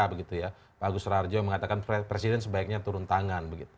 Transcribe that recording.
pak agus rarjo yang mengatakan presiden sebaiknya turun tangan